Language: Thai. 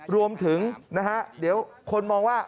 รวมถึงนะฮะเดี๋ยวคนมองว่า